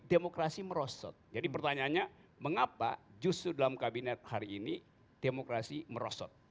demokrasi merosot jadi pertanyaannya mengapa justru dalam kabinet hari ini demokrasi merosot